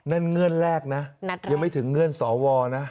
เงื่อนแรกนะยังไม่ถึงเงื่อนสวนะ